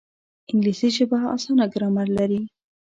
انګلیسي ژبه اسانه ګرامر لري